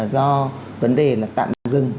do vấn đề là tạm dừng